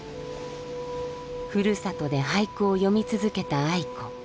ふるさとで俳句を詠み続けた愛子。